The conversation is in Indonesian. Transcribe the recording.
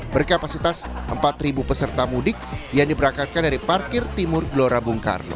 berkapasitas empat peserta mudik yang diberangkatkan dari parkir timur gelora bung karno